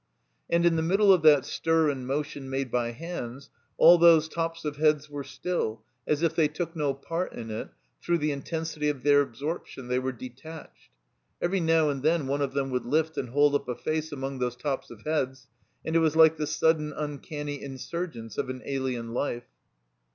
And, in the middle of that stir and motion made by hands, all those tops of heads were still, as if they took no part in it ; through the intensity of their absorption they were detached. Every now and then one of them would lift and hold up a face among those tops of heads, and it was like the sudden uncanny insurgence of an alien life.